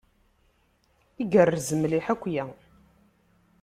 Igerrez mliḥ akya.